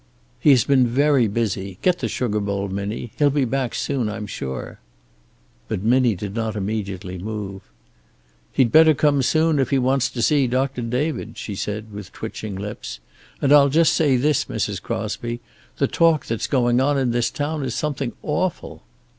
"He has been very busy. Get the sugar bowl, Minnie. He'll be back soon, I'm sure." But Minnie did not immediately move. "He'd better come soon if he wants to see Doctor David," she said, with twitching lips. "And I'll just say this, Mrs. Crosby. The talk that's going on in this town is something awful."